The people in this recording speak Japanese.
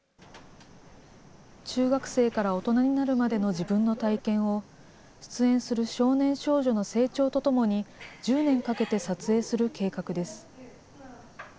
中学生から大人になるまでの自分の体験を、出演する少年少女の成長とともに、１０年かけて撮影する計画です。